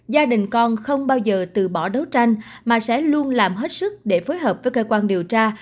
gia đình con không bao giờ từ bỏ đấu tranh mà sẽ luôn làm hết sức để phối hợp với cơ quan điều tra